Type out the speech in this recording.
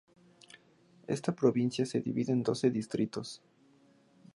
Esta provincia se divide en doce distritos.